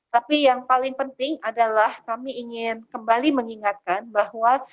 tapi yang paling penting adalah kami ingin kembali mengingatkan bahwa